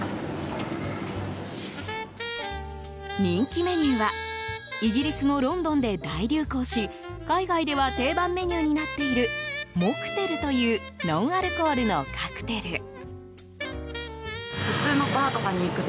人気メニューはイギリスのロンドンで大流行し海外では定番メニューになっているモクテルというノンアルコールのカクテル。